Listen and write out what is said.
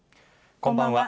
こんばんは。